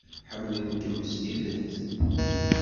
Ḥemmlen-kem s tidet.